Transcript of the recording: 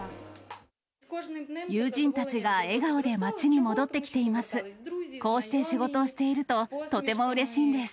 友人たちが笑顔で街に戻ってきています。